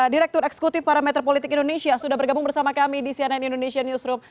direktur eksekutif parameter politik indonesia sudah bergabung bersama kami di cnn indonesia newsroom